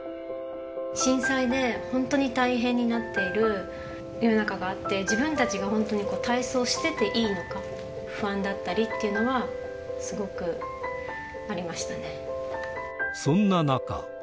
震災で本当に大変になっている世の中があって、自分たちが本当に体操をしてていいのか、不安だったりというのは、そんな中。